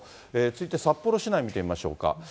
続いて、札幌市内見てみましょうか。